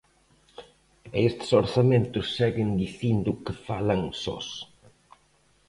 E estes orzamentos seguen dicindo que falan sós.